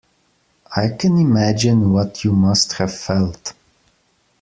I can imagine what you must have felt.